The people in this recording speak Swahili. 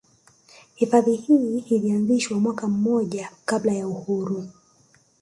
Hifadhi hii ilianzishwa mwaka mmoja kabla ya uhuru